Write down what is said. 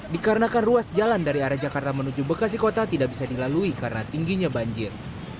dikarenakan ruas jalan dari arah jakarta menuju bekasi kota tidak bisa dilalui karena tingginya banjir